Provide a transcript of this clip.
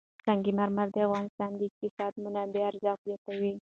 سنگ مرمر د افغانستان د اقتصادي منابعو ارزښت زیاتوي.